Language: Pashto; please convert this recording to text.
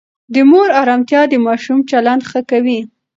د مور آرامتیا د ماشوم چلند ښه کوي.